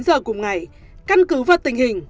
đến một mươi chín h cùng ngày căn cứ vào tình hình